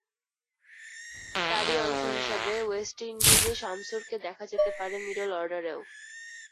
তারই অংশ হিসেবে ওয়েস্ট ইন্ডিজে শামসুরকে দেখা যেতে পারে মিডল অর্ডারেও।